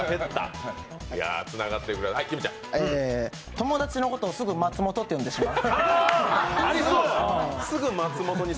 友達のことをすぐ松本と呼んでしまう。